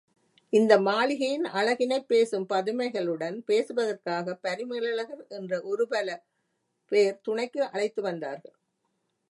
இந்த மாளிகையின் அழகினைப் பேசும் பதுமைகளுடன் பேசுதற்காகப் பரிமேலழகர் என்ற ஒரு பல பேர் துணைக்கு அழைத்துவந்தார்கள்.